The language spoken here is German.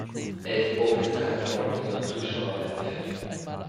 Elf Profis treiben Sport, Millionen Zuschauer werden fett.